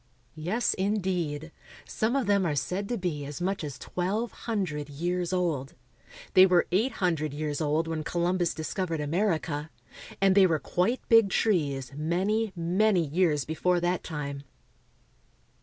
Yes, indeed. Some of them are said to be as much as twelve hundred years old. They were eight hundred THE YOSEMITE VALLEV. 273 years old when Columbus discovered America ; and they were quite big trees many, many years before that time.